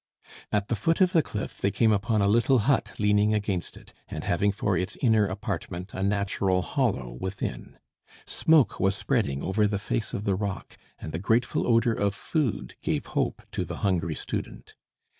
At the foot of the cliff, they came upon a little hut leaning against it, and having for its inner apartment a natural hollow within. Smoke was spreading over the face of the rock, and the grateful odour of food gave hope to the hungry student.